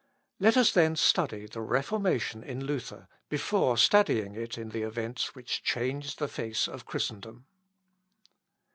Let us then study the Reformation in Luther, before studying it in events which changed the face of Christendom.